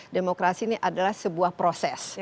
demokrasi ini adalah sebuah proses